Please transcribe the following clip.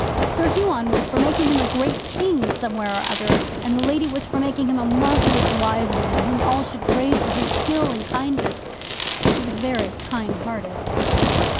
Sir Huon was for making him a great King somewhere or other, and the Lady was for making him a marvellous wise man whom all should praise for his skill and kindness. She was very kind hearted.